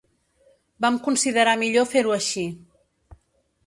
Vam considerar millor fer-ho aixi.